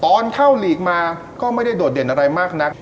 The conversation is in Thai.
ตอนเข้าลีกมาก็ไม่ได้โดดเด่นอะไรมากนัก